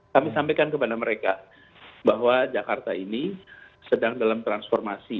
kami sampaikan kepada mereka bahwa jakarta ini sedang dalam transformasi